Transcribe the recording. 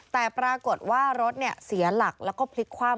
แต่ปรากฏว่ารถเสียหลักแล้วก็พลิกคว่ำ